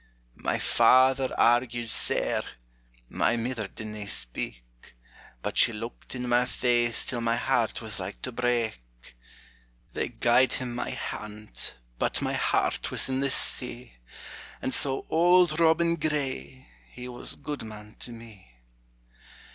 My father argued sair my mither didna speak, But she looked in my face till my heart was like to break; They gied him my hand, but my heart was in the sea; And so Auld Robin Gray, he was gudeman to me.